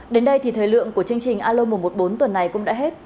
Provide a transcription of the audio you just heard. đến đây thì thời lượng của chương trình alo một trăm một mươi bốn tuần này cũng đã hết